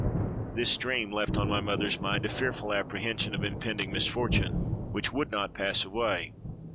"This dream left on my mother's mind a fearful apprehension of impending misfortune, 'which would not pass away.